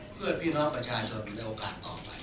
เพื่อพี่น้องประชาชนในโอกาสต่อไป